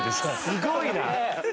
すごいな！